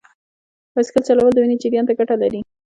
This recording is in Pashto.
بایسکل چلول د وینې جریان ته ګټه لري.